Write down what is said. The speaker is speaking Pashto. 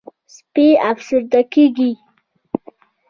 سپي افسرده کېږي.